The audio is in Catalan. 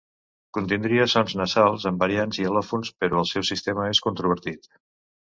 Contindria sons nasals amb variants i al·lòfons, però el seu sistema és controvertit.